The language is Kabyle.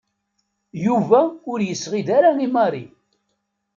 Yuba ur yesɣid ara i Mary.